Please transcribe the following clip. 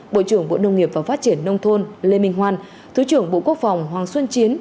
bộ trưởng bộ nông nghiệp và phát triển nông thôn lê minh hoan thứ trưởng bộ quốc phòng hoàng xuân chiến